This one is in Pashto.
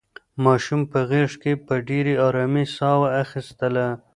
ماشوم په غېږ کې په ډېرې ارامۍ ساه اخیستله.